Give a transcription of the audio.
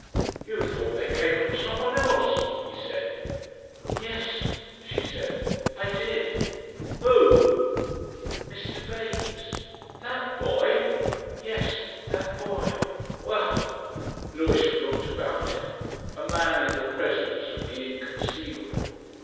"You thought they came from someone else," he said. "Yes," she said, "I did." "Who?" "Mr. Baynes." "That boy!" "Yes that boy." "Well!" Lewisham looked about him a man in the presence of the inconceivable.